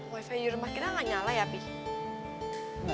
wifi rumah kita gak nyala ya pih